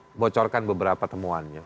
saya mau bocorkan beberapa temuannya